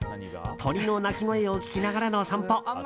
鳥の鳴き声を聞きながらの散歩。